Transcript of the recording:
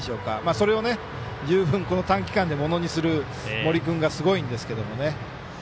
それを短期間でものにする森君がすごいんですけどね。